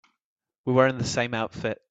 We were in the same outfit.